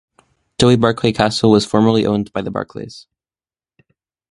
Towie Barclay Castle was formerly owned by the Barclays.